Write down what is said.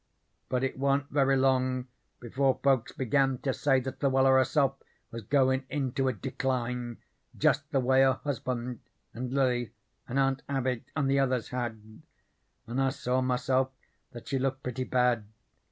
But it wa'n't very long before folks began to say that Luella herself was goin' into a decline jest the way her husband, and Lily, and Aunt Abby and the others had, and I saw myself that she looked pretty bad.